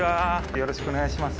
よろしくお願いします。